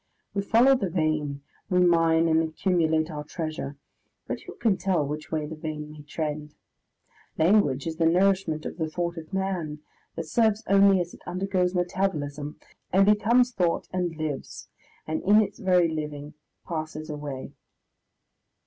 We follow the vein, we mine and accumulate our treasure, but who can tell which way the vein may trend? Language is the nourishment of the thought of man, that serves only as it undergoes metabolism, and becomes thought and lives, and in its very living passes away.